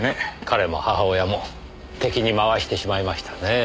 彼も母親も敵に回してしまいましたねえ。